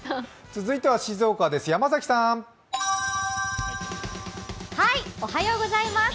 続いては静岡です